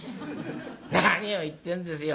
「何を言ってんですよ。